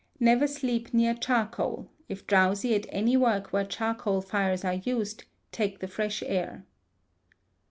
Never sleep near charcoal; if drowsy at any work where charcoal fires are used, take the fresh air.